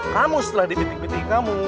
kamu setelah dipitik pitik kamu